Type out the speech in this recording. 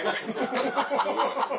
ハハハハハ。